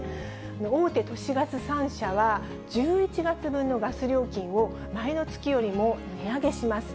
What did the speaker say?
大手都市ガス３社は、１１月分のガス料金を前の月よりも値上げします。